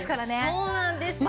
そうなんですよ。